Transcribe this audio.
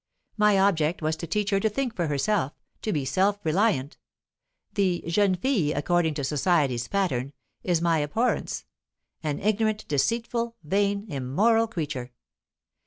My object was to teach her to think for herself, to be self reliant. The jeune fille, according to society's pattern, is my abhorrence: an ignorant, deceitful, vain, immoral creature.